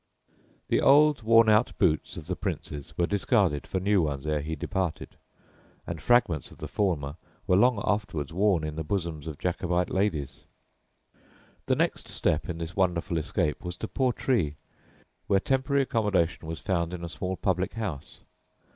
The old worn out boots of the Prince's were discarded for new ones ere he departed, and fragments of the former were long afterwards worn in the bosoms of Jacobite ladies. The next step in this wonderful escape was to Portree, where temporary accommodation was found in a small public house.